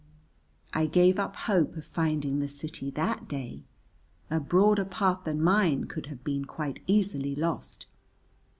I gave up hope of finding the city that day, a broader path than mine could have been quite easily lost.